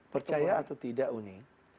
percaya atau tidak uni